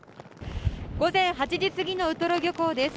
午前８時過ぎのウトロ漁港です。